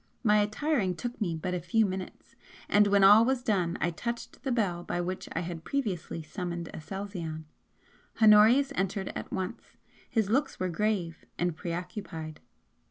My attiring took me but a few minutes, and when all was done I touched the bell by which I had previously summoned Aselzion. Honorius entered at once his looks were grave and preoccupied.